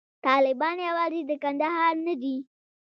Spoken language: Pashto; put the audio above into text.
طالبان یوازې د کندهار نه دي.